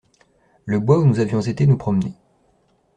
Le bois où nous avions été nous promener.